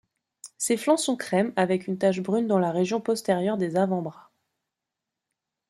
Ses flancs sont crème avec une tache brune dans la région postérieure des avant-bras.